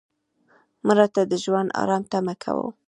مړه ته د ژوند آرام تمه کوو